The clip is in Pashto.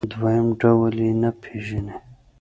دویم ډول یې نه پېژني.